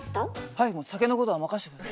はい酒のことは任せて下さい。